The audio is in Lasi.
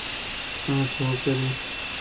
آ ڇو ڪري؟